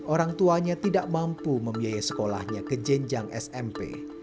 orang tuanya tidak mampu membiayai sekolahnya ke jenjang smp